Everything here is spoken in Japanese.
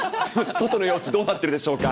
外の様子、どうなっているでしょうか。